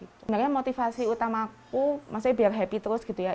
sebenarnya motivasi utamaku maksudnya biar happy terus gitu ya